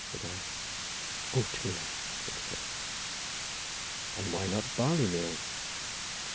said I. "Oatmeal," said the man. "And why not on barley meal?"